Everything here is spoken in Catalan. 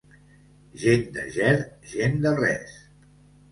Gent de Ger, gent de res.